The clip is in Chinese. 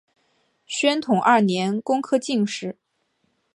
宣统二年工科进士。